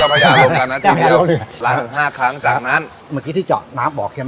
เจ้าพระยารวมกับน้ำนะจริงล้างถึงห้าครั้งจากนั้นเมื่อกี้ที่เจาะน้ำบอกใช่ไหม